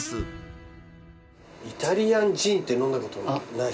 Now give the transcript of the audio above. イタリアンジンって飲んだことないですね。